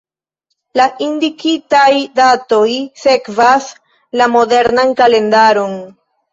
La indikitaj datoj sekvas la modernan kalendaron.